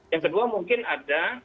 yang kedua mungkin ada